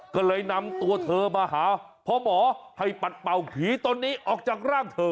ก็เลยนำตัวเธอมาหาพ่อหมอให้ปัดเป่าผีตนนี้ออกจากร่างเธอ